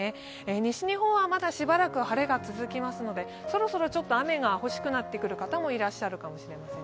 西日本はまだしばらく晴れが続きますので、そろそろ雨が欲しくなってくる方もいらっしゃるかもしれません。